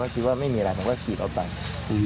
แล้วไงต่อเรามาเจอคนเจ็บได้ไง